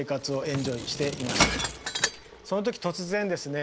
その時突然ですね